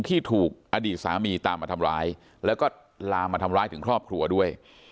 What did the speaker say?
ที่ถูกอดีตสามีตามมาทำร้ายแล้วก็ลามมาทำร้ายถึงครอบครัวด้วย